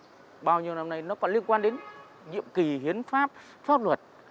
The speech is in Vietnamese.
sau bao nhiêu năm nay nó còn liên quan đến nhiệm kỳ hiến pháp pháp luật